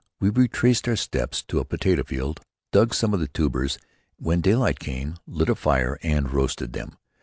We retraced our steps to a potato field, dug some of the tubers and, when daylight came, lit a fire and roasted them.